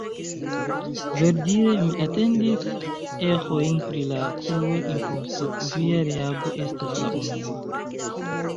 Verdire, mi atendis eĥojn pri la "kruel-imposto", via reago estas la unua.